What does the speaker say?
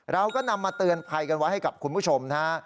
เราก็นำมาเตือนภัยกันไว้ให้กับคุณผู้ชมนะฮะ